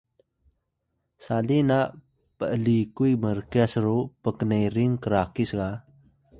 sali na p’likuy mrkyas ru pknerin krakis ga